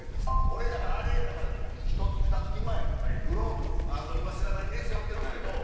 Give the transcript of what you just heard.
俺だからあれひと月ふた月前グローブ今背中にね背負ってるんですけど。